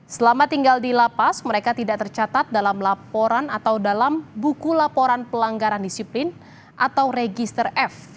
selama tinggal di lapas mereka tidak tercatat dalam laporan atau dalam buku laporan pelanggaran disiplin atau register f